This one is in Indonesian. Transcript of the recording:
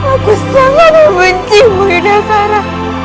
aku sangat membencimu yudhakara